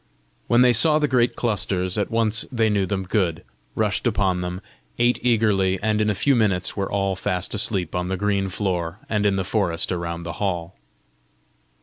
When they saw the great clusters, at once they knew them good, rushed upon them, ate eagerly, and in a few minutes were all fast asleep on the green floor and in the forest around the hall.